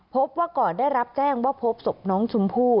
พบว่าก่อนได้รับแจ้งว่าพบศพน้องชมพู่